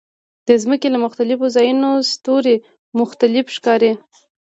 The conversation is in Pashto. د ځمکې له مختلفو ځایونو ستوري مختلف ښکاري.